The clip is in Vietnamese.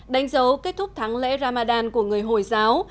đánh dấu kết thúc tháng lễ ramadan của người hồi giáo